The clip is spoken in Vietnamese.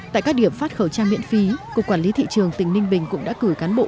tại các điểm phát khẩu trang miễn phí cục quản lý thị trường tỉnh ninh bình cũng đã cử cán bộ